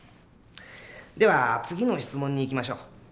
では次の質問にいきましょう。